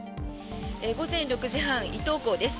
午前６時半、伊東港です。